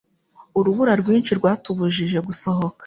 Urubura rwinshi rwatubujije gusohoka.